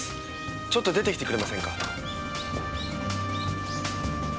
ちょっと出てきてくれませんか？